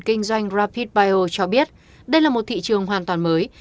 kinh doanh rapidbio cho biết đây là một thị trường hoàn toàn mới